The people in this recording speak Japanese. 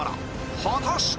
果たして